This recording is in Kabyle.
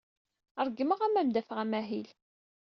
Ṛeggmeɣ-am ad am-d-afeɣ amahil.